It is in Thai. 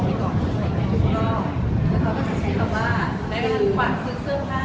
ในการฝากซื้อเสื้อผ้า